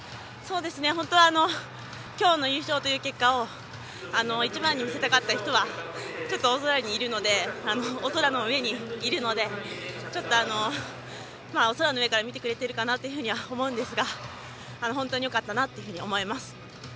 本当にきょうの優勝という結果を一番に見せたかった人はお空の上にいるのでお空の上から見てくれてるかなと思うんですが本当によかったなというふうに思います。